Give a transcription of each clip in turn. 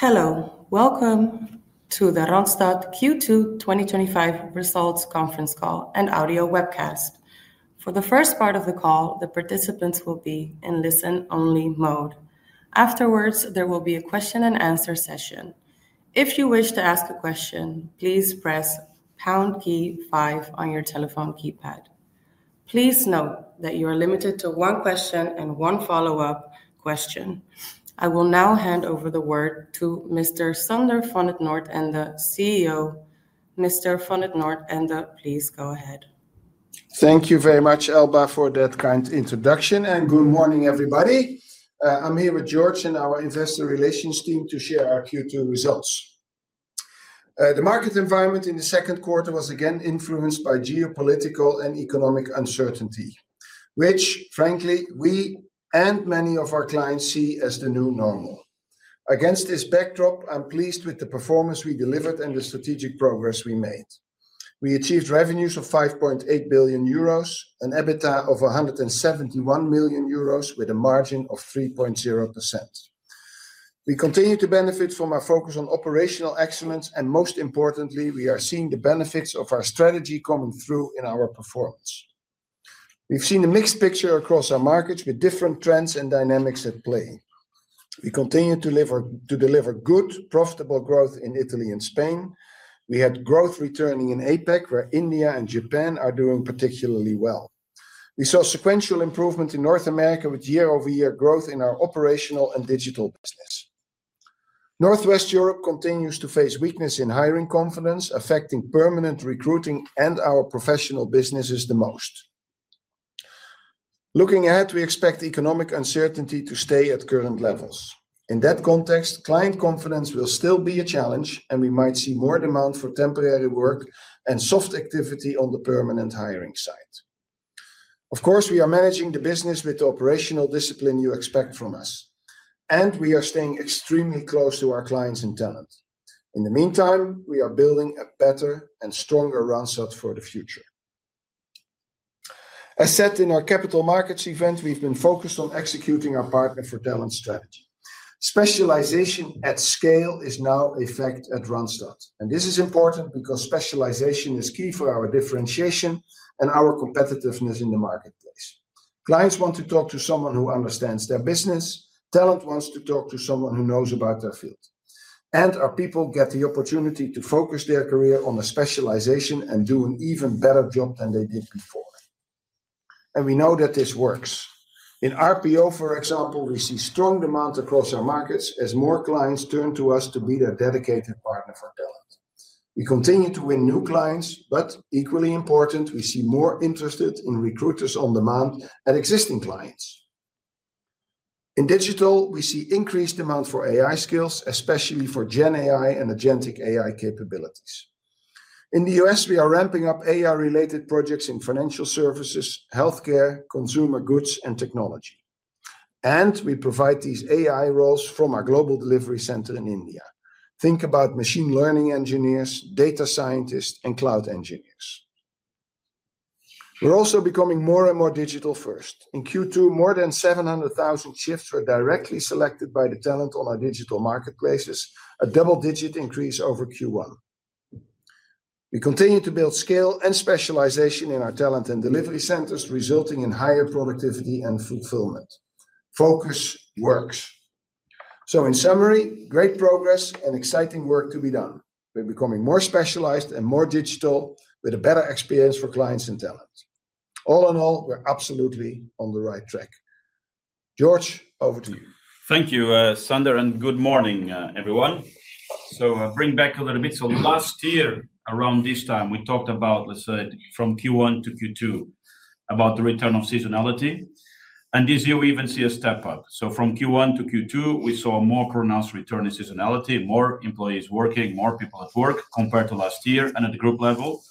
Hello. Welcome to the Randstad q two twenty twenty five results conference call and audio webcast. For the first part of the call, the participants will be in listen only mode. Afterwards, there will be a question and answer session. If you wish to ask a question, please press pound key five on your telephone keypad. Please note that you are limited to one question and one follow-up question. I will now hand over the word to Mr. Sander Vonnet Nordende, CEO. Mr. Vonnet Nordende, please go ahead. Thank you very much, Elba, for that kind introduction, and good morning, everybody. I'm here with George and our Investor Relations team to share our Q2 results. The market environment in the second quarter was again influenced by geopolitical and economic uncertainty, which frankly, we and many of our clients see as the new normal. Against this backdrop, I'm pleased with the performance we delivered and the strategic progress we made. We achieved revenues of €5,800,000,000 an EBITDA of 171,000,000 euros with a margin of 3%. We continue to benefit from our focus on operational excellence and most importantly, we are seeing the benefits of our strategy coming through in our performance. We've seen a mixed picture across our markets with different trends and dynamics at play. We continue to live on to deliver good profitable growth in Italy and Spain. We had growth returning in APAC, where India and Japan are doing particularly well. We saw sequential improvement in North America with year over year growth in our operational and digital business. Northwest Europe continues to face weakness in hiring confidence affecting permanent recruiting and our professional businesses the most. Looking ahead, we expect economic uncertainty to stay at current levels. In that context, client confidence will still be a challenge, and we might see more demand for temporary work and soft activity on the permanent hiring side. Of course, we are managing the business with operational discipline you expect from us, and we are staying extremely close to our clients and talents. In the meantime, we are building a better and stronger run set for the future. As said in our capital markets event, we've been focused on executing our partner for talent strategy. Specialization at scale is now effect at Randstad. And this is important because specialization is key for our differentiation and our competitiveness in the marketplace. Clients want to talk to someone who understands their business. Talent wants to talk to someone who knows about their field. And our people get the opportunity to focus their career on a specialization and do an even better job than they did before. And we know that this works. In RPO, for example, we see strong demands across our markets as more clients turn to us to be their dedicated partner for talent. We continue to win new clients, but equally important, we see more interested in recruiters on demand at existing clients. In digital, we see increased demand for AI skills, especially for GenAI and AgenTik AI capabilities. In The US, we are ramping up AI related projects in financial services, health care, consumer goods, and technology. And we provide these AI roles from our global delivery center in India. Think about machine learning engineers, data scientists, and cloud engineers. We're also becoming more and more digital first. In q two, more than 700,000 shifts were directly selected by the talent on our digital marketplaces, a double digit increase over q one. We continue to build scale and specialization in our talent and delivery centers resulting in higher productivity and fulfillment. Focus works. So in summary, great progress and exciting work to be done. We're becoming more specialized and more digital with a better experience for clients and talents. All in all, we're absolutely on the right track. George, over to you. Thank you, Sander, and good morning, everyone. So I'll bring back a little bit. So last year, around this time, we talked about, let's say, from q one to q two about the return of seasonality. And this year, we even see a step up. So from Q1 to Q2, we saw a more pronounced return in seasonality, more employees working, more people at work compared to last year and at the group level.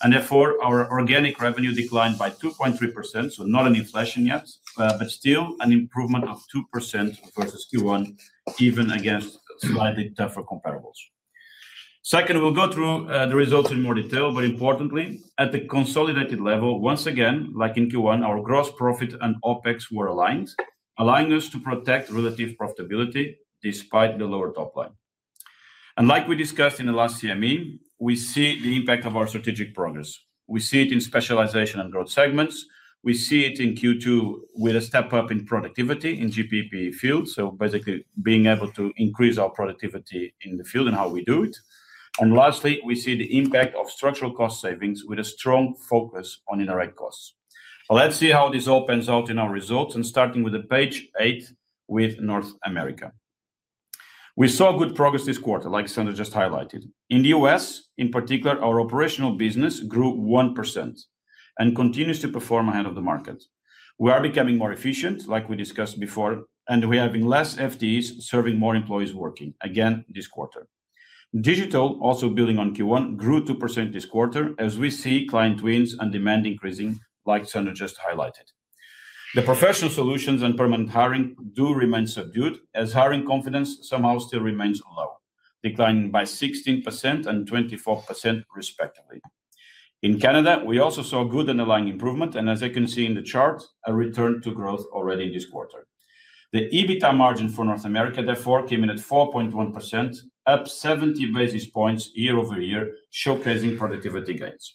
And therefore, our organic revenue declined by 2.3%, so not an inflection yet, but still an improvement of 2% versus Q1 even against slightly tougher comparables. Second, we'll go through the results in more detail. But importantly, at the consolidated level, once again, like in Q1, our gross profit and OpEx were aligned, allowing us to protect relative profitability despite the lower top line. And like we discussed in the last CME, we see the impact of our strategic progress. We see it in specialization and growth segments. We see it in Q2 with a step up in productivity in GPP fields, so basically being able to increase our productivity in the field and how we do it. And lastly, we see the impact of structural cost savings with a strong focus on indirect costs. Let's see how this opens out in our results and starting with the page eight with North America. We saw good progress this quarter, like Sandra just highlighted. In The US, in particular, our operational business grew 1% and continues to perform ahead of the market. We are becoming more efficient, like we discussed before, and we have been less FTEs serving more employees working, again, this quarter. Digital, also building on q one, grew 2% this quarter as we see client wins and demand increasing, like Sandra just highlighted. The professional solutions and permanent hiring do remain subdued as hiring confidence somehow still remains low, declining by 1624%, respectively. In Canada, we also saw good underlying improvement. And as I can see in the chart, a return to growth already this quarter. The EBITA margin for North America, therefore, came in at 4.1%, up 70 basis points year over year, showcasing productivity gains.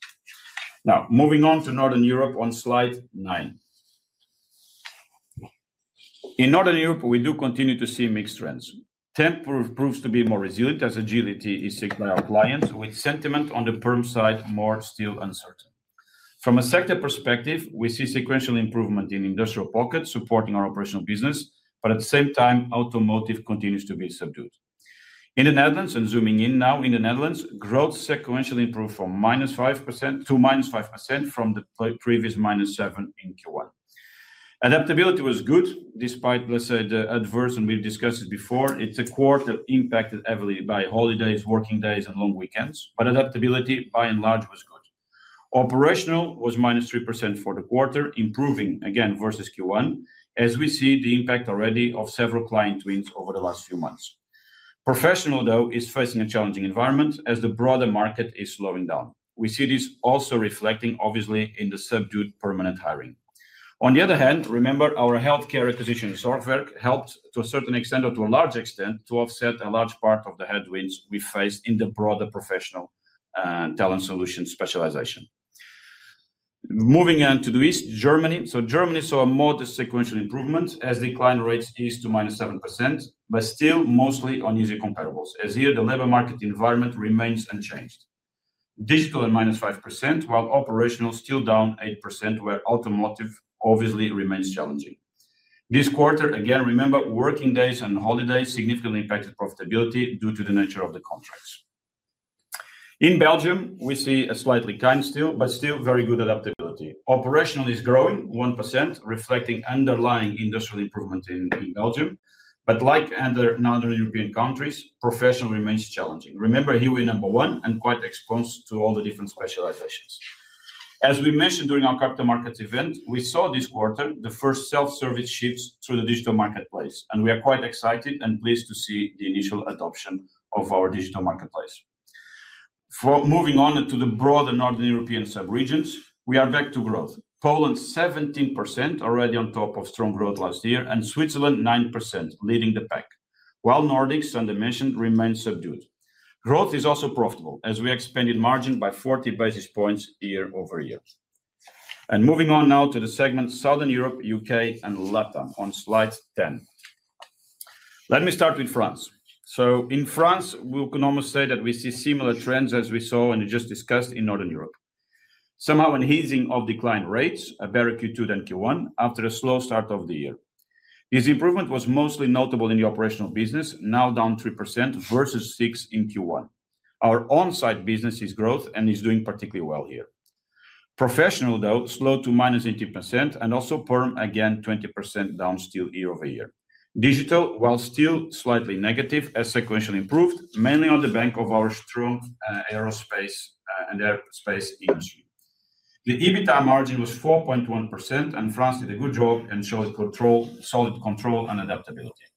Now moving on to Northern Europe on Slide nine. In Northern Europe, we do continue to see mixed trends. Temp proves to be more resilient as agility is sigma appliance with sentiment on the perm side more still uncertain. From a sector perspective, we see sequential improvement in industrial pockets supporting our operational business, but at the same time, automotive continues to be subdued. In The Netherlands and zooming in now in The Netherlands, growth sequentially improved from minus 5% to minus 5% from the previous minus 7% in Q1. Adaptability was good despite, let's say, the adverse and we've discussed it before. It's a quarter impacted heavily by holidays, working days and long weekends, but adaptability, by and large, was good. Operational was minus 3% for the quarter, improving again versus Q1 as we see the impact already of several client wins over the last few months. Professional though is facing a challenging environment as the broader market is slowing down. We see this also reflecting obviously in the subdued permanent hiring. On the other hand, remember, our health care acquisition software helped to a certain extent or to a large extent to offset a large part of the headwinds we faced in the broader professional talent solutions specialization. Moving on to the East, Germany. So Germany saw a modest sequential improvement as decline rates eased to minus 7%, but still mostly on easy comparables. As here, the labor market environment remains unchanged. Digital at minus 5%, while operational still down 8%, where automotive obviously remains challenging. This quarter, again, remember, working days and holidays significantly impacted profitability due to the nature of the contracts. In Belgium, we see a slightly kind still, but still very good adaptability. Operationally, it's growing 1%, reflecting underlying industrial improvement in Belgium. But like other Northern European countries, professional remains challenging. Remember, here we're number one and quite exposed to all the different specializations. As we mentioned during our capital markets event, we saw this quarter the first self-service shifts through the digital marketplace, and we are quite excited and pleased to see the initial adoption of our digital marketplace. Moving on to the broader Northern European subregions, we are back to growth. Poland, 17% already on top of strong growth last year and Switzerland, 9% leading the pack, while Nordics and Dimension remain subdued. Growth is also profitable as we expanded margin by 40 basis points year over year. And moving on now to the segments, Southern Europe, UK and LatAm on Slide 10. Let me start with France. So in France, we can almost say that we see similar trends as we saw and just discussed in Northern Europe, somehow an easing of decline rates, a better Q2 than Q1 after a slow start of the year. This improvement was mostly notable in the operational business, now down 3% versus 6% in q one. Our on-site business is growth and is doing particularly well here. Professional, though, slowed to minus 80% and also perm, again, 20% down still year over year. Digital, while still slightly negative as sequentially improved, mainly on the bank of our strong aerospace and aerospace industry. The EBITA margin was 4.1%, and France did a good job and showed control solid control and adaptability.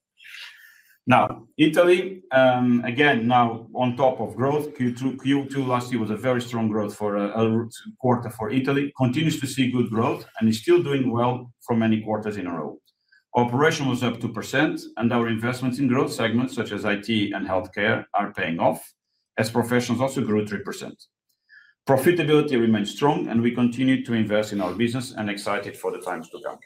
Now Italy, again, now on top of growth, Q2 last year was a very strong growth for a quarter for Italy, continues to see good growth and is still doing well for many quarters in a row. Operation was up 2%, and our investments in growth segments such as IT and Healthcare are paying off as Professionals also grew 3%. Profitability remained strong, and we continue to invest in our business and excited for the times to come.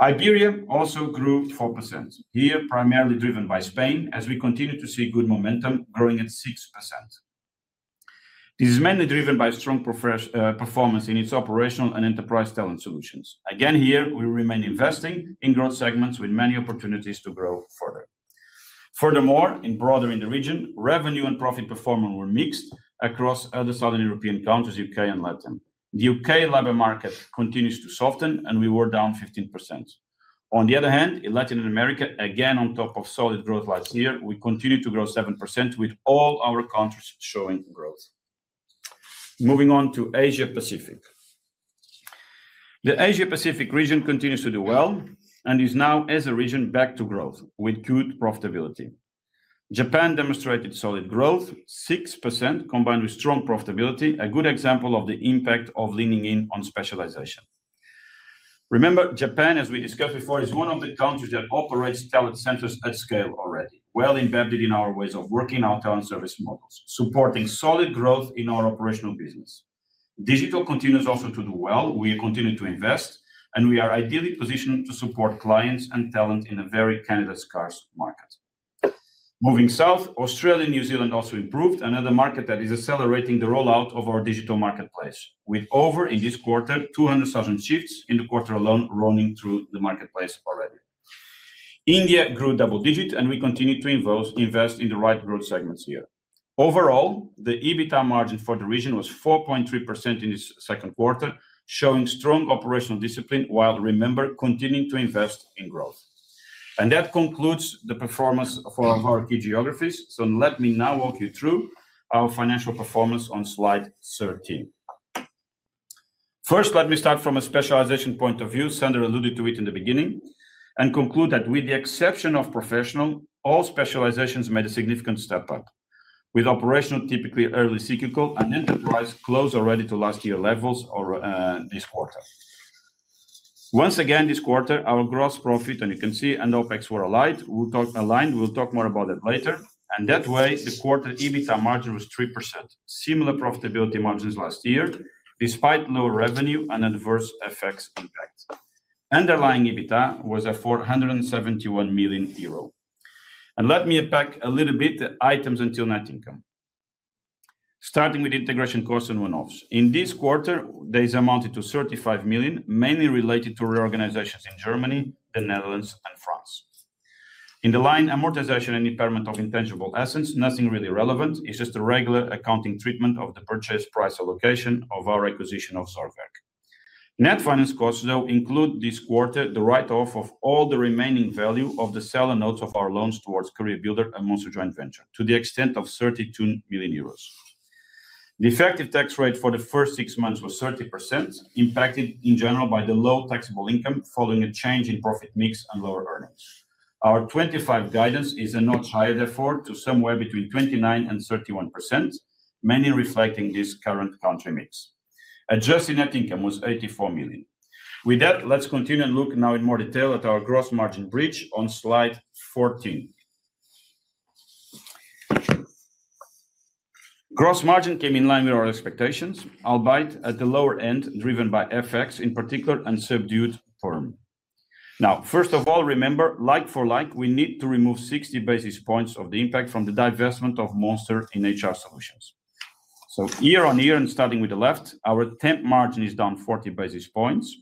Iberia also grew 4%, here primarily driven by Spain as we continue to see good momentum growing at 6%. This is mainly driven by strong performance in its operational and enterprise talent solutions. Again, here, we remain investing in growth segments with many opportunities to grow further. Furthermore, in broader in the region, revenue and profit performance were mixed across other Southern European countries, UK and LatAm. The U. K. Labor market continues to soften, and we were down 15%. On the other hand, in Latin America, again, on top of solid growth last year, we continued to grow 7% with all our countries showing growth. Moving on to Asia Pacific. The Asia Pacific region continues to do well and is now as a region back to growth with good profitability. Japan demonstrated solid growth, 6% combined with strong profitability, a good example of the impact of leaning in on specialization. Remember, Japan, as we discussed before, is one of the countries that operates talent centers at scale already, well embedded in our ways of working out on service models, supporting solid growth in our operational business. Digital continues also to do well. We continue to invest, and we are ideally positioned to support clients and talent in a very Canada scarce market. Moving South, Australia and New Zealand also improved, another market that is accelerating the rollout of our digital marketplace with over, in this quarter, 200,000 shifts in the quarter alone running through the marketplace already. India grew double digit, and we continue to invest in the right growth segments here. Overall, the EBITA margin for the region was 4.3% in this second quarter, showing strong operational discipline, while remember continuing to invest in growth. And that concludes the performance of our key geographies. So let me now walk you through our financial performance on Slide 13. First, let me start from a specialization point of view. Sander alluded to it in the beginning. And conclude that with the exception of Professional, all specializations made a significant step up, with operational typically early cyclical and enterprise closed already to last year levels or this quarter. Once again, this quarter, our gross profit, and you can see and OpEx were aligned, we'll talk more about it later. And that way, the quarter EBITA margin was 3%, similar profitability margins last year despite lower revenue and adverse FX impact. Underlying EBITDA was EUR $471,000,000. And let me unpack a little bit items until net income. Starting with integration costs and one offs. In this quarter, days amounted to 35,000,000, mainly related to reorganizations in Germany, The Netherlands and France. In the line amortization and impairment of intangible assets, nothing really relevant. It's just a regular accounting treatment of the purchase price allocation of our acquisition of Sorvec. Net finance costs though include this quarter the write off of all the remaining value of the seller notes of our loans towards CareerBuilder and Monster joint venture to the extent of 32,000,000 euros. The effective tax rate for the first six months was 30%, impacted in general by the low taxable income following a change in profit mix and lower earnings. Our 25% guidance is a notch higher therefore to somewhere between 2931%, mainly reflecting this current country mix. Adjusted net income was 84,000,000. With that, let's continue and look now in more detail at our gross margin bridge on Slide 14. Gross margin came in line with our expectations, albeit at the lower end driven by FX, in particular, and subdued perm. Now first of all, remember, like for like, we need to remove 60 basis points of the impact from the divestment of Monster in HR solutions. So year on year and starting with the left, our temp margin is down 40 basis points.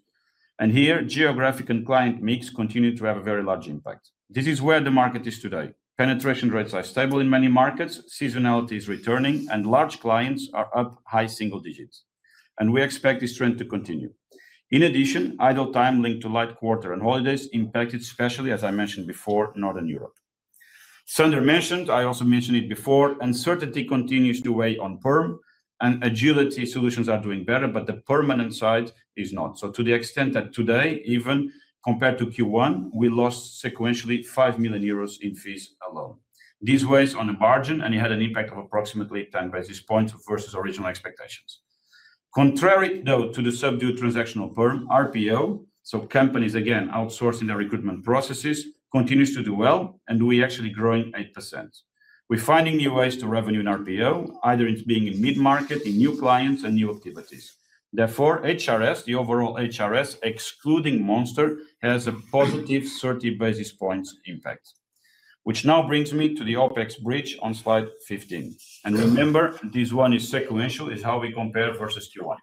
And here, geographic and client mix continue to have a very large impact. This is where the market is today. Penetration rates are stable in many markets, seasonality is returning and large clients are up high single digits, and we expect this trend to continue. In addition, idle time linked to light quarter and holidays impacted especially, as I mentioned before, Northern Europe. Sundar mentioned, I also mentioned it before, uncertainty continues to weigh on perm and agility solutions are doing better, but the permanent side is not. So to the extent that today, even compared to q one, we lost sequentially 5,000,000 in fees alone. This weighs on a margin, and it had an impact of approximately 10 basis points versus original expectations. Contrary though to the subdued transactional perm, RPO, so companies again outsourcing their recruitment processes, continues to do well, and we're actually growing 8%. We're finding new ways to revenue in RPO, either it's being in mid market, in new clients and new activities. Therefore, HRS, the overall HRS, excluding Monster, has a positive 30 basis points impact, which now brings me to the OpEx bridge on Slide 15. And remember, this one is sequential is how we compare versus Q1.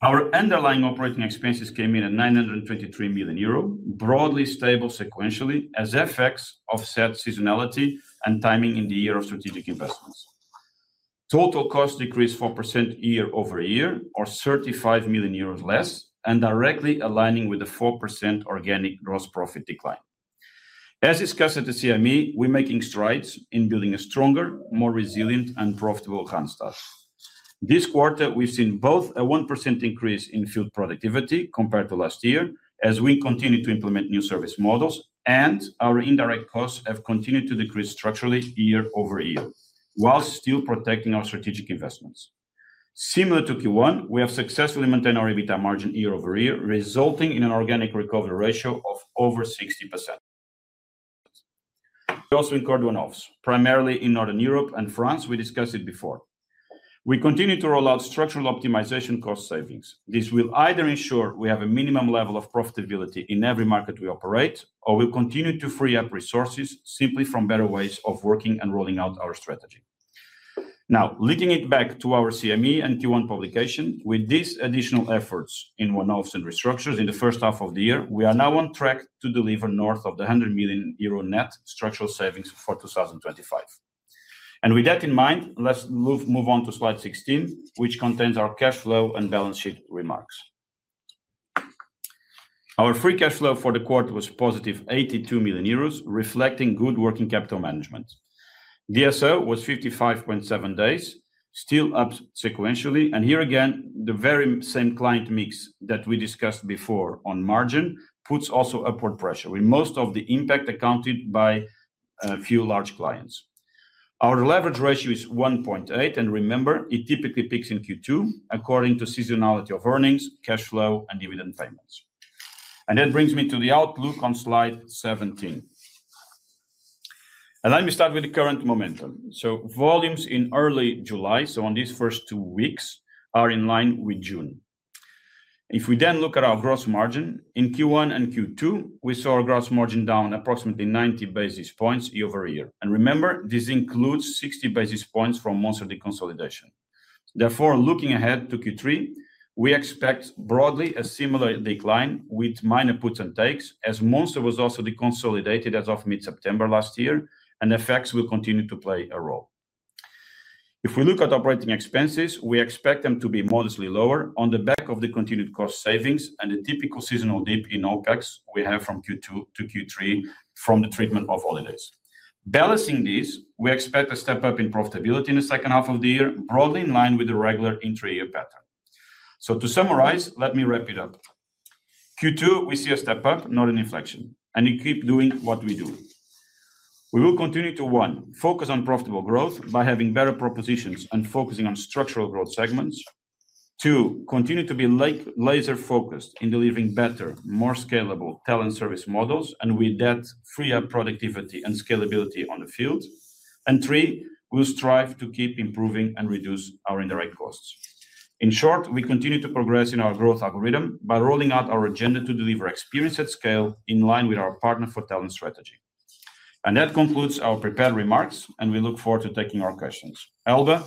Our underlying operating expenses came in at €923,000,000 broadly stable sequentially as FX offset seasonality and timing in the year of strategic investments. Total cost decreased 4% year over year or 35,000,000 euros less and directly aligning with the 4% organic gross profit decline. As discussed at the CME, we're making strides in building a stronger, more resilient and profitable handstand. This quarter, we've seen both a 1% increase in field productivity compared to last year as we continue to implement new service models and our indirect costs have continued to decrease structurally year over year, while still protecting our strategic investments. Similar to Q1, we have successfully maintained our EBITDA margin year over year, resulting in an organic recovery ratio of over 60%. We also incurred one offs, primarily in Northern Europe and France, we discussed it before. We continue to roll out structural optimization cost savings. This will either ensure we have a minimum level of profitability in every market we operate or we'll continue to free up resources simply from better ways of working and rolling out our strategy. Now leading it back to our CME and t one publication, with these additional efforts in one offs and restructures in the first half of the year, we are now on track to deliver north of the 100,000,000 net structural savings for 2025. And with that in mind, let's move on to Slide 16, which contains our cash flow and balance sheet remarks. Our free cash flow for the quarter was positive €82,000,000 reflecting good working capital management. DSO was fifty five point seven days, still up sequentially. And here, again, the very same client mix that we discussed before on margin puts also upward pressure with most of the impact accounted by a few large clients. Our leverage ratio is 1.8. And remember, it typically peaks in Q2 according to seasonality of earnings, cash flow, and dividend payments. And that brings me to the outlook on slide 17. And let me start with the current momentum. So volumes in early July, so on these first two weeks, are in line with June. If we then look at our gross margin, in q one and q two, we saw our gross margin down approximately 90 basis points year over year. And remember, this includes 60 basis points from Monster deconsolidation. Therefore, looking ahead to Q3, we expect broadly a similar decline with minor puts and takes as Monster was also deconsolidated as of mid September last year, and FX will continue to play a role. If we look at operating expenses, we expect them to be modestly lower on the back of the continued cost savings and the typical seasonal dip in OpEx we have from Q2 to Q3 from the treatment of holidays. Balancing this, we expect a step up in profitability in the second half of the year, broadly in line with the regular intra year pattern. So to summarize, let me wrap it up. Q two, we see a step up, not an inflection, and you keep doing what we do. We will continue to, one, focus on profitable growth by having better propositions and focusing on structural growth segments. Two, continue to be, like, laser focused in delivering better, more scalable talent service models, and with that, free up productivity and scalability on the field. And three, we'll strive to keep improving and reduce our indirect costs. In short, we continue to progress in our growth algorithm by rolling out our agenda to deliver experience at scale in line with our partner for talent strategy. And that concludes our prepared remarks, and we look forward to taking our questions. Elbe,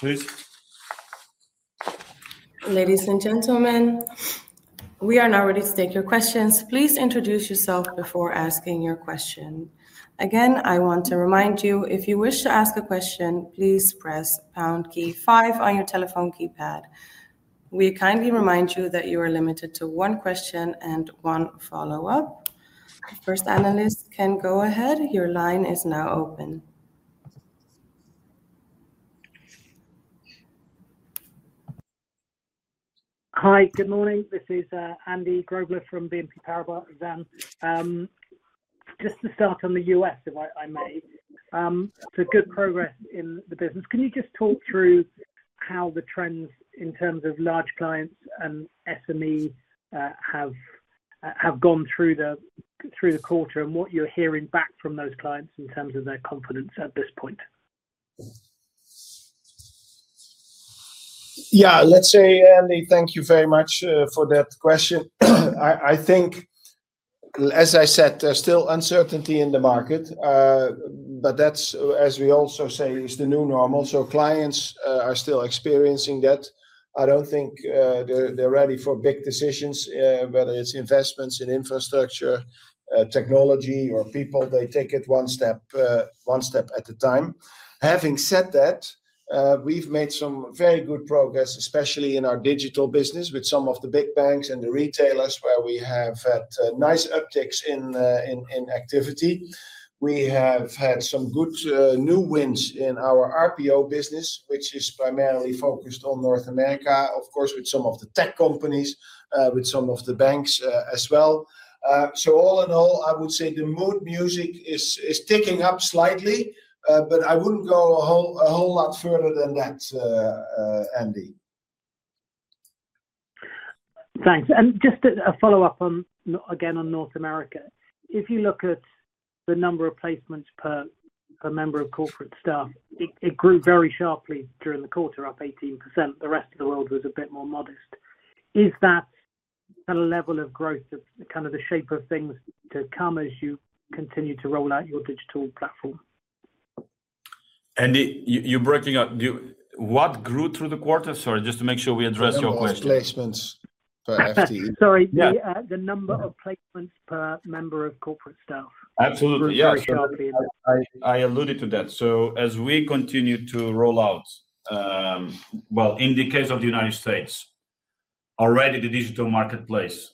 please. Ladies and gentlemen, we are now ready to take your questions. Please introduce yourself before asking your question. Again, I want to remind you, if you wish to ask a question, please press pound key five on your telephone keypad. We kindly remind you that you are limited to one question and one follow-up. First, analyst can go ahead. Your line is now open. Hi. Good morning. This is Andy Grobler from BNP Paribas. Just to start on The US, if I I may. So good progress in the business. Can you just talk through how the trends in terms of large clients and SME have have gone through the quarter and what you're hearing back from those clients in terms of their confidence at this point? Yes. Let's say, Andy, thank you very much for that question. I think, as I said, there's still uncertainty in the market, but that's as we also say, it's the new normal. So clients are still experiencing that. I don't think they're they're ready for big decisions, whether it's investments in infrastructure, technology, or people, they take it one step one step at a time. Having said that, we've made some very good progress, in our digital business with some of the big banks and the retailers where we have had nice upticks in activity. We have had some good new wins in our RPO business, which is primarily focused on North America, of course, with some of the tech companies, with some of the banks as well. So all in all, I would say the mood music is ticking up slightly, but I wouldn't go a whole a whole lot further than that, Andy. Thanks. And just a follow-up on, again, on North America. If you look at the number of placements per per member of corporate staff, it it grew very sharply during the quarter, up 18%. The rest of the world was a bit more modest. Is that the level of growth of kind of the shape of things to come as you continue to roll out your digital platform? Andy, you you're breaking up. Do you what grew through the quarter? Sorry. Just to make sure we address your question. Placements per FCU. Sorry. The the number of placements per member of corporate staff. Absolutely. Yeah. I I alluded to that. So as we continue to roll out well, in the case of The United States, already the digital marketplace,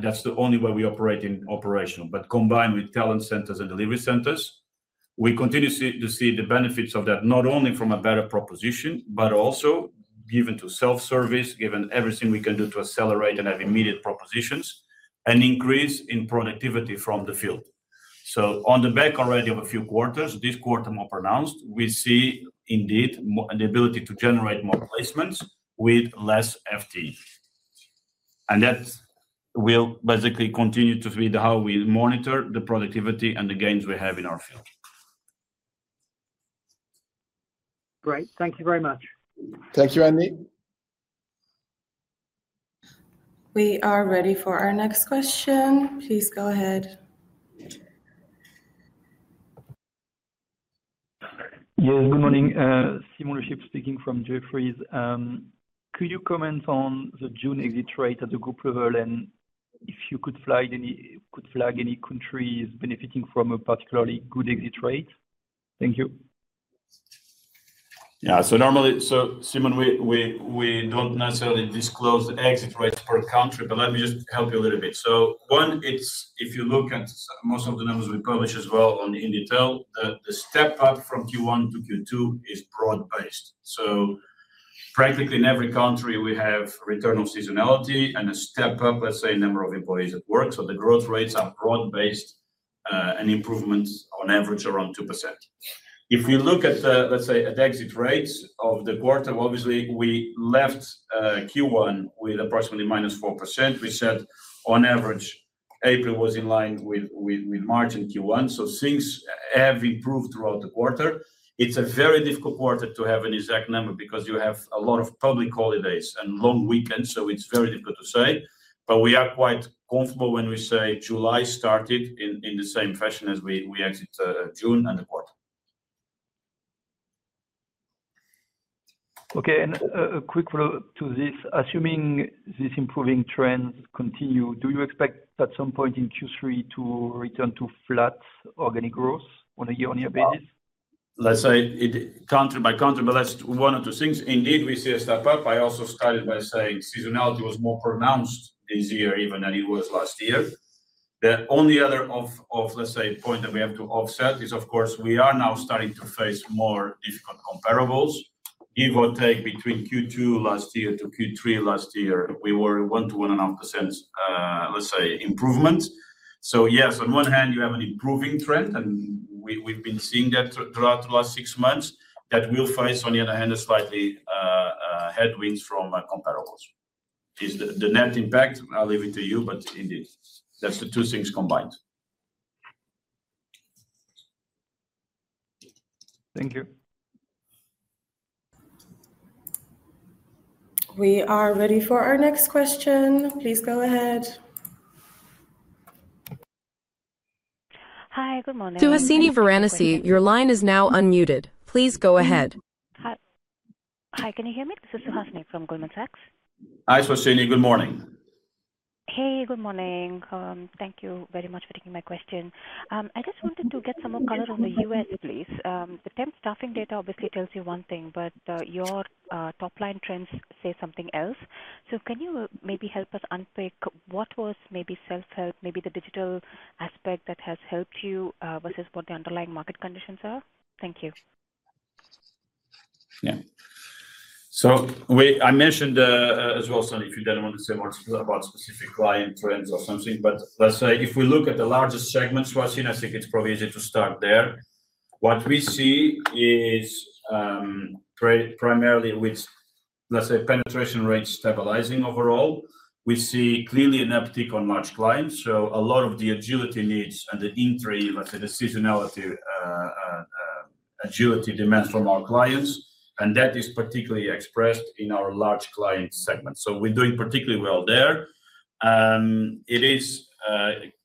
that's the only way we operate in operation. But combined with talent centers and delivery centers, we continue to see the benefits of that not only from a better proposition, but also given to self-service, given everything we can do to accelerate and have immediate propositions, an increase in productivity from the field. So on the back already of a few quarters, this quarter more pronounced, we see indeed the ability to generate more placements with less FTE. And that will basically continue to feed how we monitor the productivity and the gains we have in our field. Great. Thank you very much. Thank you, Amy. We are ready for our next question. Please go ahead. Yes. Good morning. Simon Rishi speaking from Jefferies. Could you comment on the June exit rate of the group level, and if you could flag any could flag any countries benefiting from a particularly good exit rate? Thank you. Yeah. So normally so, Simon, we we we don't necessarily disclose the exit rates per country, but let me just help you a little bit. So one, it's if you look at most of the numbers we publish as well on in detail, the the step up from q one to q two is broad based. So practically, in every country, we have return of seasonality and a step up, let's say, of employees at work. So the growth rates are broad based and improvements on average around 2%. If we look at, let's say, at exit rates of the quarter, obviously, we left Q1 with approximately minus 4%. We said, on average, April was in line with margin Q1. So things have improved throughout the quarter. It's a very difficult quarter to have an exact number because you have a lot of public holidays and long weekends, so it's very difficult to say. But we are quite comfortable when we say July started in the same fashion as we exit June and the quarter. Okay. And a quick follow-up to this. Assuming this improving trend continue, do you expect at some point in q three to return to flat organic growth on a year on year basis? Let's say, it country by country, but that's one or two things. Indeed, we see a step up. I also started by saying seasonality was more pronounced this year even than it was last year. The only other of of, let's say, point that we have to offset is, of course, we are now starting to face more difficult comparables, give or take between Q2 last year to Q3 last year. We were 1% to 1.5%, let's say, improvement. So yes, on one hand, you have an improving trend, and we've been seeing that throughout the last six months that we'll face on the other hand a slightly headwinds from comparables. Is the net impact, I'll leave it to you, but indeed, that's the two things combined. You. Are ready for our next question. Please go ahead. Good morning. Good Thank you very much for taking my question. Just wanted to get some more color on The U. S. Please. The temp staffing data obviously tells you one thing, but your top line trends say something else. So can you maybe help us unpack what was maybe self help, maybe the digital aspect that has helped you versus what the underlying market conditions are? Thank you. Yeah. So we I mentioned as well, Son, if you don't want to say more about specific client trends or something. But let's say, if we look at the largest segments, Swastin, I think it's probably easy to start there. What we see is primarily with, let's say, penetration rates stabilizing overall. We see clearly an uptick on large clients. So a lot of the agility needs and the entry, let's say, the seasonality agility demands from our clients, and that is particularly expressed in our large client segment. So we're doing particularly well there. It is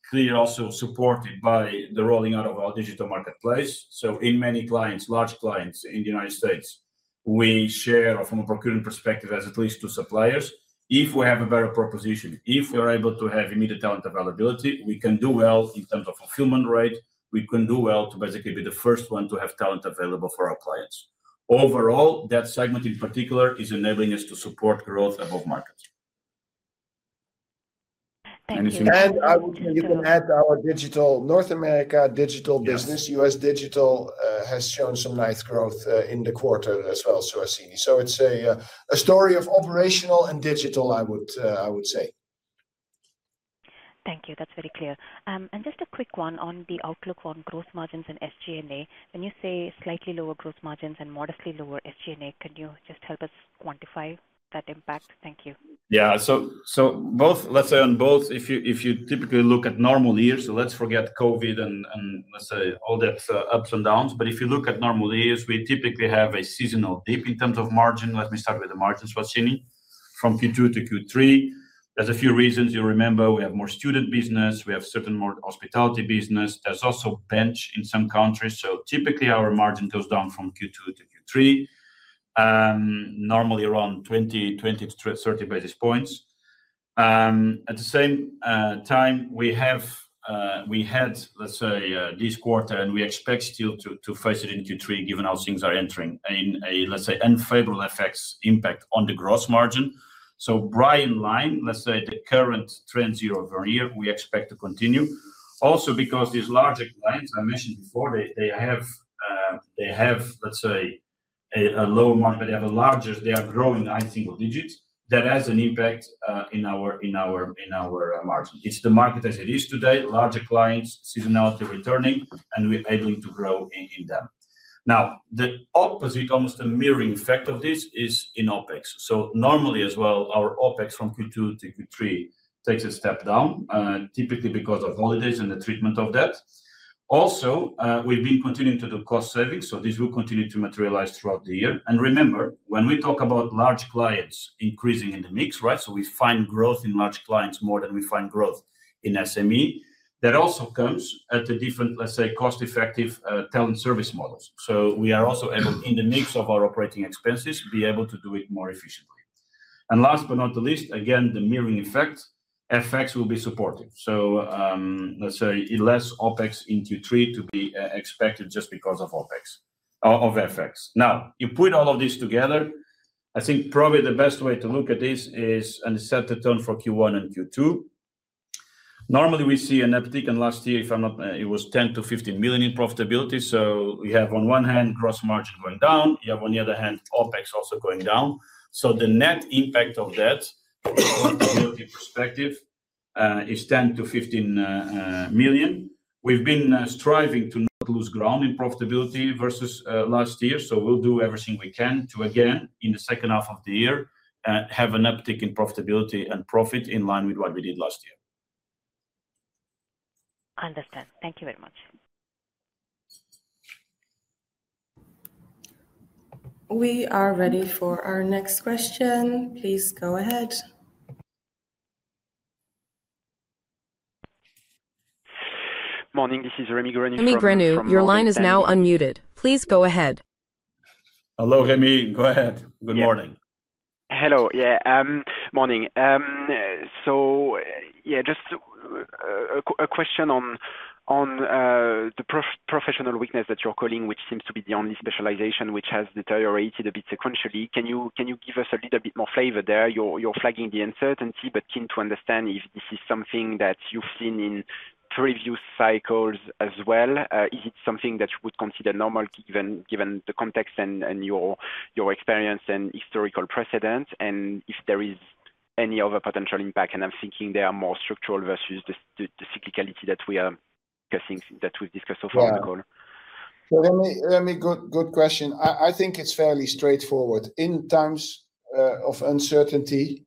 clear also supported by the rolling out of our digital marketplace. So in many clients, large clients in The United States, we share from a procurement perspective as at least two suppliers If we have a better proposition, if we are able to have immediate talent availability, we can do well in terms of fulfillment rate. We can do well to basically be the first one to have talent available for our clients. Overall, that segment in particular is enabling us to support growth above markets. Thank you. And I would you can add our digital North America digital business. US digital has shown some nice growth in the quarter as well, Suresini. So it's a story of operational and digital, I would say. Thank you. That's very clear. And just a quick one on the outlook on gross margins and SG and A. When you say slightly lower gross margins and modestly lower SG and A, can you just help us quantify that impact? Yes. So both let's say, on both, if typically look at normal years, so let's forget COVID and, let's say, all that ups and downs. But if you look at normal years, we typically have a seasonal dip in terms of margin. Let me start with the margins, Wassini. From q two to q three, there's a few reasons. You remember, we have more student business. We have certain more hospitality business. There's also bench in some countries. So typically, our margin goes down from q two to q three. Normally around 20 to 30 basis points. At the same time, we have we had, let's say, this quarter, and we expect still to face it in Q3 given how things are entering in a, let's say, unfavorable FX impact on the gross margin. So bright in line, let's say, the current trends year over year, we expect to continue. Also because these larger clients, I mentioned before, they have, let's say, a a low market. They have a larger they are growing high single digits. That has an impact in our in our in our margin. It's the market as it is today, larger clients, seasonality returning, and we're able to grow in in them. Now the opposite, almost a mirroring effect of this is in OpEx. So normally as well, our OpEx from q two to q three takes a step down, typically because of holidays and the treatment of that. Also, we've been continuing to do cost savings. So this will continue to materialize throughout the year. And remember, when we talk about large clients increasing in the mix, right, so we find growth in large clients more than we find growth in SME. That also comes at a different, let's say, cost effective talent service models. So we are also able in the mix of our operating expenses to be able to do it more efficiently. And last but not the least, again, the mirroring effect, FX will be supportive. So let's say, less OpEx in q three to be expected just because of OpEx of FX. Now you put all of this together, I think probably the best way to look at this is and set the tone for q one and q two. Normally, we see an uptick in last year, if I'm not it was 10,000,000 to $15,000,000 in profitability. So we have, on one hand, gross margin going down. We have, on the other hand, OpEx also going down. So the net impact of that from a profitability perspective is 10,000,000 to $15,000,000 We've been striving to not lose ground in profitability versus last year. So we'll do everything we can to, again, in the second half of the year, have an uptick in profitability and profit in line with what we did last year. Understand. Thank you very much. We are ready for our next question. Please go ahead. Morning. This is Remy Grenou from Remy, Exane your line is now unmuted. Please go ahead. Hello, Remy. Go ahead. Good Hello. Yes. Good morning. So yes, just a question on the professional weakness that you're calling, which seems to be the only specialization, which has deteriorated a bit sequentially. Can you give us a little bit more flavor there? You're flagging the uncertainty, but keen to understand if this is something that you've seen in previous cycles as well. Is it something that would consider normal given given the context and and your your experience and historical precedent? And if there is any other potential impact, and I'm thinking they are more structural versus the the the cyclicality that we are guessing that we've discussed so far in the call. So let me let good good question. I I think it's fairly straightforward. In times of uncertainty,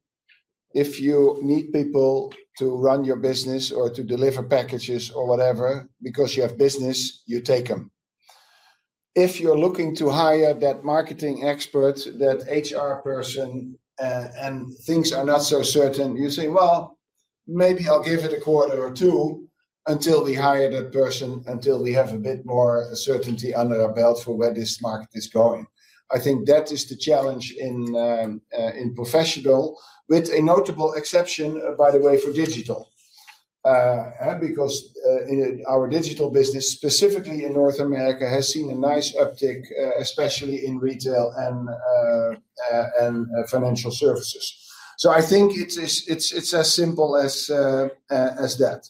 if you need people to run your business or to deliver packages or whatever because you have business, you take them. If you're looking to hire that marketing experts, that HR person, and things are not so certain, you say, well, maybe I'll give it a quarter or two until we hire that person, until we have a bit more certainty under our belt for where this market is going. I think that is the challenge in in professional with a notable exception, by the way, for digital. Because our digital business, specifically in North America, has seen a nice uptick, especially in retail and and financial services. So I think it's it's it's as simple as as that.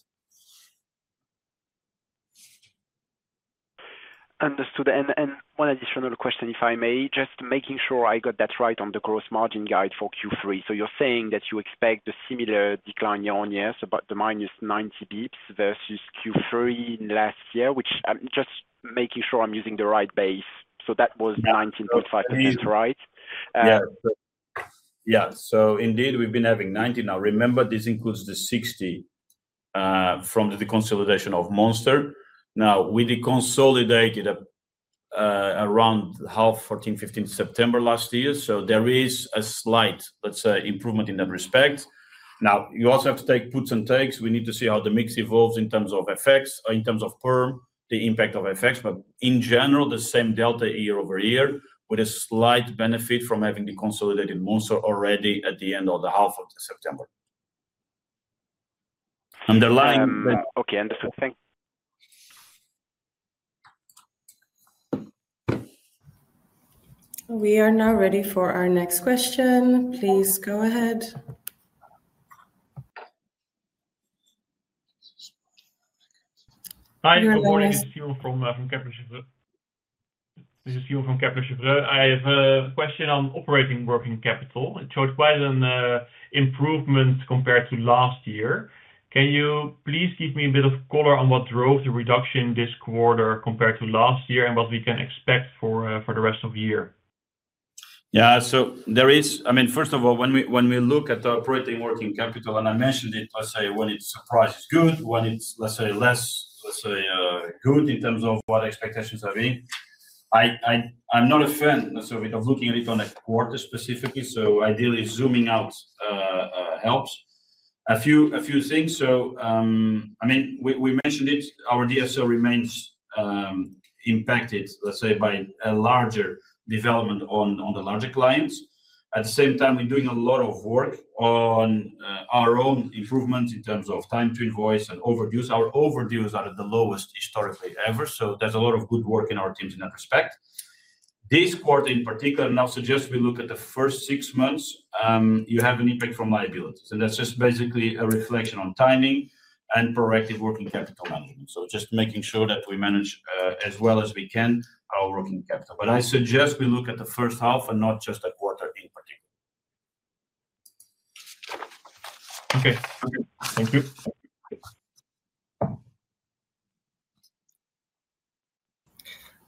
Understood. And one additional question, if I may. Just making sure I got that right on the gross margin guide for Q3. So you're saying that you expect a similar decline year on year, so about the minus 90 bps versus q three in last year, which I'm just making sure I'm using the right base. So that was 19.5%. Right? Yeah. Yeah. So indeed, we've been having 90 now. Remember, this includes the 60 from the deconsolidation of Monster. Now we deconsolidated around half fourteen, fifteen September last year. So there is a slight, let's say, improvement in that respect. Now you also have to take puts and takes. We need to see how the mix evolves in terms of FX or in terms of perm, the impact of FX. But in general, the same delta year over year with a slight benefit from having the consolidated also already at the end of the September. Underlying Okay. Understood. Thanks. We are now ready for our next question. Please go ahead. Good morning. Is from Kepler Cheuvreux. I have a question on operating working capital. It showed quite an improvement compared to last year. Can you please give me a bit of color on what drove the reduction this quarter compared to last year and what we can expect for the rest of the year? Yes. So there is I mean, first of all, when we look at operating working capital, and I mentioned it, let's say, it a price is good, when it's, let's say, less, let's say, good in terms of what expectations have been, I I I'm not a fan, so we don't look at it on a quarter specifically. So, ideally, zooming out helps. A few a few things. So, I mean, we we mentioned it. Our DSO remains impacted, let's say, by a larger development on on the larger clients. At the same time, we're doing a lot of work on our own improvements in terms of time to invoice and over dues. Our over dues are at the lowest historically ever. So there's a lot of good work in our teams in that respect. This quarter in particular, and I'll suggest we look at the first six months, you have an impact from liability. So that's just basically a reflection on timing and proactive working capital management. So just making sure that we manage as well as we can our working capital. But I suggest we look at the first half and not just the quarter in particular. Okay. Okay. Thank you.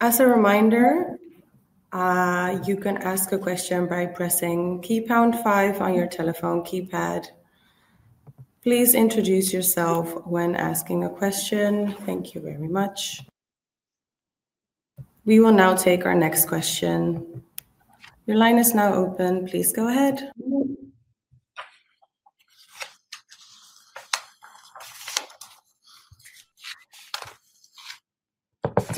As a reminder, you can ask a question by pressing key pound five on your telephone keypad. Please introduce yourself when asking a question. Thank you very much. We will now take our next question. Your line is now open. Please go ahead.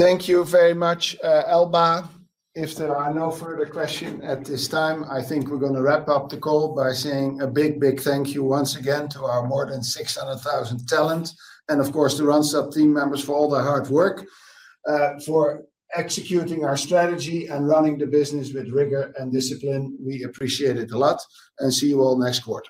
Thank you very much, Elba. If there are no further question at this time, I think we're gonna wrap up the call by saying a big, big thank you once again to our more than 600,000 talents and, of course, the Randstad team members for all their hard work, for executing our strategy and running the business with rigor and discipline. We appreciate it a lot, and see you all next quarter.